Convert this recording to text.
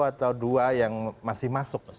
atau dua yang masih masuk